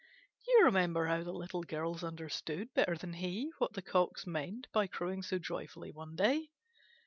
You remember how the Little Girls understood, better than he, what the Cocks meant by crowing so joyfully one day.